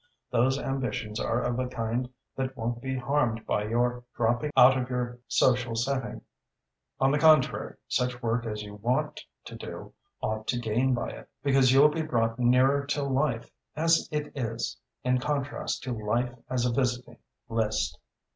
Those ambitions are of a kind that won't be harmed by your dropping out of your social setting. On the contrary, such work as you want to do ought to gain by it, because you'll be brought nearer to life as it is, in contrast to life as a visiting list....